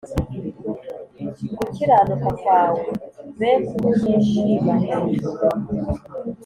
Gukiranuka kwawe be kunyishima hejuru